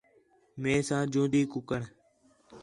میساں جوندی کُکڑ